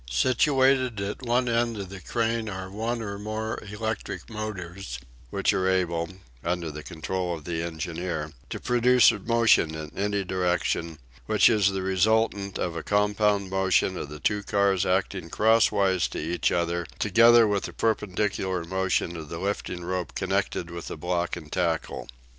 Situated at one end of the crane are one or more electric motors, which are able, under the control of the engineer, to produce a motion in any direction, which is the resultant of a compound motion of the two cars acting crosswise to each other together with the perpendicular motion of the lifting rope connected with the block and tackle.